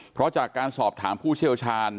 เพราะจากการสอบถามผู้เชี่ยวชาญ